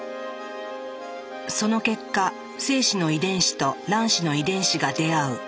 その結果精子の遺伝子と卵子の遺伝子が出会う。